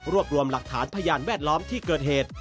รวมรวมหลักฐานพยานแวดล้อมที่เกิดเหตุ